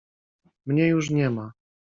— Mnie już nie ma!